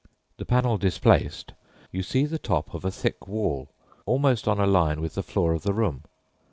The panel displaced, you see the top of a thick wall (almost on a line with the floor of the room).